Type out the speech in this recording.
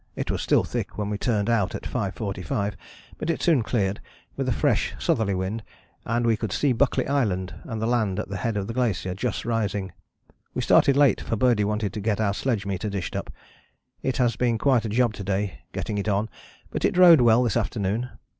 It was still thick when we turned out at 5.45, but it soon cleared with a fresh southerly wind, and we could see Buckley Island and the land at the head of the glacier just rising. We started late for Birdie wanted to get our sledge meter dished up: it has been quite a job to day getting it on, but it rode well this afternoon.